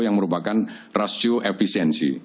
yang merupakan rasio efisiensi